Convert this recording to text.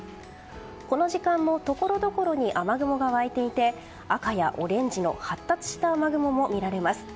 この時間もところどころに雨雲が湧いていて赤やオレンジの発達した雨雲も見られます。